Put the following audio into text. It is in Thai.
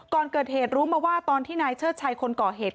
ก่อนเกิดเหตุรู้มาว่าตอนที่นายเชิดชัยคนก่อเหตุ